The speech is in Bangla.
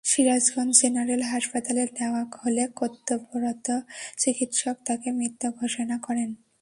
সিরাজগঞ্জ জেনারেল হাসপাতালে নেওয়া হলে কর্তব্যরত চিকিৎসক তাঁকে মৃত ঘোষণা করেন।